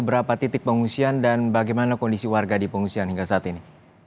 berapa titik pengungsian dan bagaimana kondisi warga di pengungsian hingga saat ini